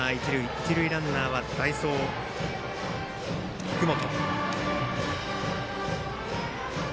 一塁ランナーは代走、菊本。